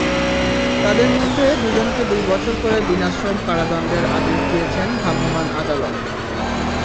তাঁদের মধ্যে দুজনকে দুই বছর করে বিনাশ্রম কারাদণ্ডের আদেশ দিয়েছেন ভ্রাম্যমাণ আদালত।